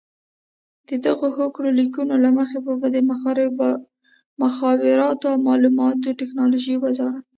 د دغو هوکړه لیکونو له مخې به د مخابراتو او معلوماتي ټکنالوژۍ وزارت